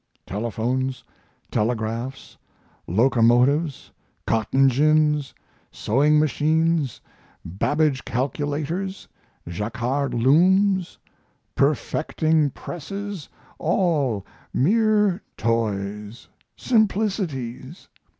Telephones, telegraphs, locomotives, cotton gins, sewing machines, Babbage calculators, jacquard looms, perfecting presses, all mere toys, simplicities!